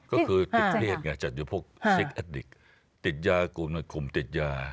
ก็คือติดเพศไงอาจารย์อยู่พวกเช็คอัตดิกติดยากลุ่มติดยา